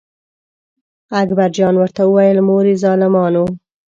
اکبر جان ورته وویل: مورې ظالمانو.